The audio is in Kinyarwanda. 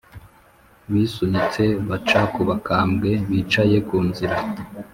bisunitse, baca ku bakambwe bicaye ku nzira.